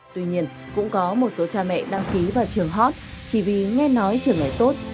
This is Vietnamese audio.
tuy nhiên cũng có một số cha mẹ đăng ký vào trường hot chỉ vì nghe nói trường ngày tốt